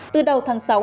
từ đầu tháng sáu